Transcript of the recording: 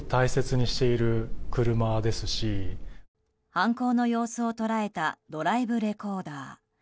犯行の様子を捉えたドライブレコーダー。